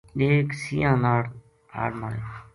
ایک سیئاں ناڑ ہاڑ مارے